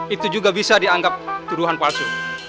itu juga bisa dianggap tuduhan palsu